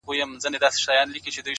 • هم دي عقل هم دي فکر پوپناه سو,